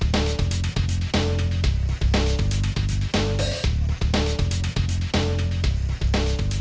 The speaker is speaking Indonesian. gua mau ke sana